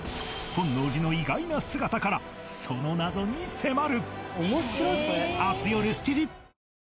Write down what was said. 本能寺の意外な姿からその謎に迫る！